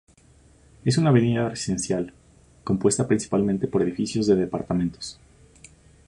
Es una avenida residencial, compuesta principalmente por edificios de departamentos.